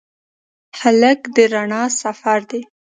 هلک د رڼا سفر دی.